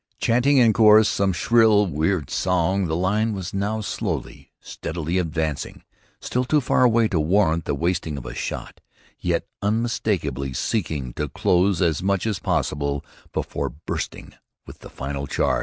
Chanting in chorus some shrill, weird song, the line was now slowly, steadily advancing, still too far away to warrant the wasting of a shot, yet unmistakably seeking to close as much as possible before bursting in with the final charge.